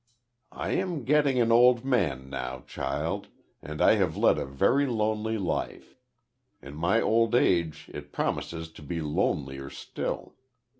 "I am getting an old man now, child, and I have led a very lonely life. In my old age it promises to be lonelier still.